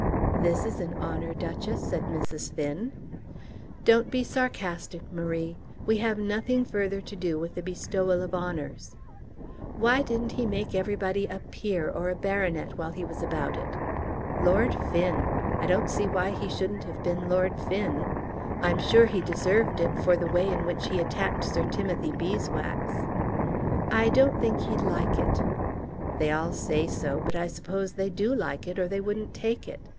"This is an honour, Duchess," said Mrs. Finn. "Don't be sarcastic, Marie. We have nothing further to do with the bestowal of honours. Why didn't he make everybody a peer or a baronet while he was about it? Lord Finn! I don't see why he shouldn't have been Lord Finn. I'm sure he deserved it for the way in which he attacked Sir Timothy Beeswax." "I don't think he'd like it." "They all say so, but I suppose they do like it, or they wouldn't take it.